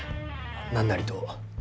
何なりと。